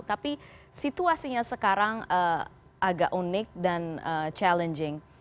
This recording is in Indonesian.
tapi situasinya sekarang agak unik dan challenging